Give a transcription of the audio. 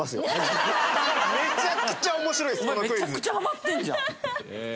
お前めちゃくちゃハマってるじゃん。